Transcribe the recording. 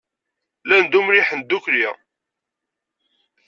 Llan d umliḥen ddukkli.